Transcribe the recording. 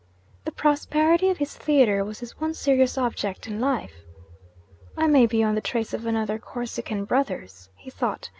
The prosperity of his theatre was his one serious object in life. 'I may be on the trace of another "Corsican Brothers,"' he thought.